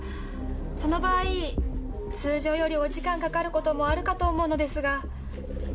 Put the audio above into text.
その場合通常よりお時間かかることもあるかと思うのですが。